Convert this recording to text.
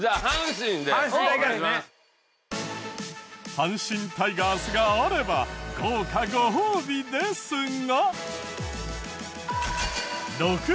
阪神タイガースがあれば豪華ご褒美ですが。